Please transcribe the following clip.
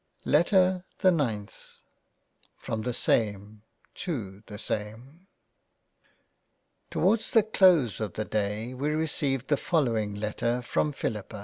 LETTER the 9th From the same to the same TOWARDS the close of the day we received the fol lowing Letter from Philippa.